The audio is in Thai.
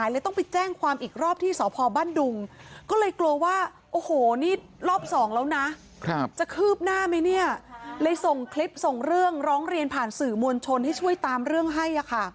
เลยส่งคลิปส่งเรื่องร้องเรียนผ่านสื่อมวลชนให้ช่วยตามเรื่องให้